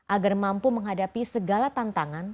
agar mampu menghadapi segala tantangan